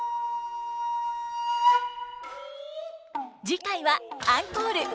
次回はアンコール。